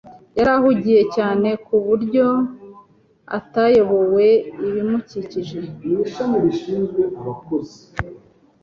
Yari ahugiye cyane ku buryo atayobewe ibimukikije.